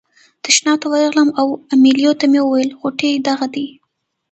تشناب ته ورغلم او امیلیو ته مې وویل غوټې دغه دي.